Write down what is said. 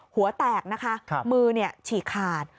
หัวแตกนะคะมือเนี่ยฉีกขาด